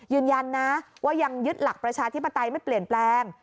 ยืนยันนะว่ายังยึดหลักประชาธิปไตยไม่เปลี่ยนแปลง